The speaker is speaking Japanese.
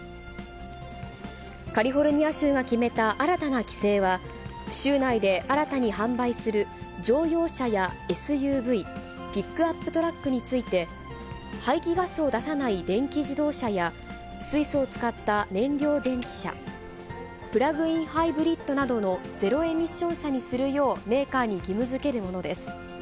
カリフォルニア州が決めた新たな規制は、州内で新たに販売する乗用車やＳＵＶ、ピックアップトラックについて、排気ガスを出さない電気自動車や水素を使った燃料電池車、プラグインハイブリッド車などのゼロエミッション車にするようメーカーに義務づけるものです。